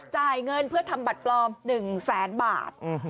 จ่ายเงินเพื่อทำบัตรปลอม๑แสนบาท